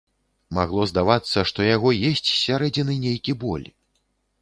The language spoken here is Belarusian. Магло здавацца, што яго есць з сярэдзіны нейкі боль.